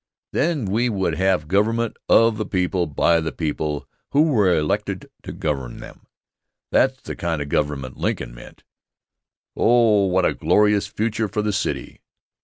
Then we would have government of the people by the people who were elected to govern them. That's the kind of government Lincoln meant. 0 what a glorious future for the city!